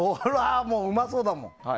うまそうだもん。